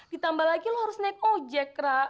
ditambah lagi lo harus naik ojek rak